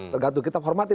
tergantung kita hormati